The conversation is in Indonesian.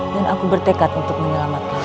dan aku bertekad untuk menyelamatkanmu